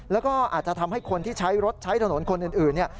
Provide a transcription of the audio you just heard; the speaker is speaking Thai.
แล้วก็อาจจะทำให้คนที่ใช้รถใช้ถนนคนอื่นเนี่ย